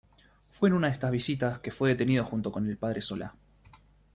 Fue en una de estas visitas que fue detenido junto con el Padre Solá.